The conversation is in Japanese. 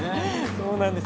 そうなんです。